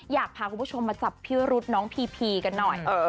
อยากพาคุณผู้ชมมาจับพี่รุษน้องพีพีกันหน่อย